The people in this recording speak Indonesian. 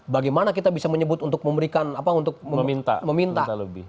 bagaimana kita bisa menyebut untuk memberikan apa untuk meminta lebih